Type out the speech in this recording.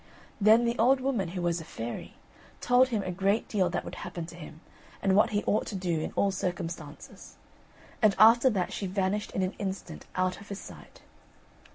Then the old woman, who was a fairy, told him a great deal that would happen to him, and what he ought to do in all circumstances; and after that she vanished in an instant out of his sight.